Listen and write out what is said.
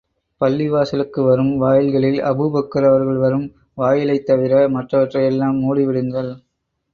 பள்ளிவாசலுக்கு வரும் வாயில்களில் அபூபக்கர் அவர்கள் வரும் வாயிலைத் தவிர மற்றவற்றை எல்லாம் மூடி விடுங்கள்.